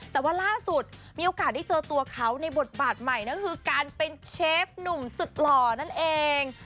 แต่ว่าล่าสุดมีโอกาสได้เจอตัวเขาในบทบาทใหม่นั่นคือการเป็นเชฟหนุ่มสุดหล่อนั่นเอง